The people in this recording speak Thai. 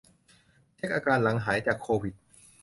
เช็กอาการหลังหายจากโควิด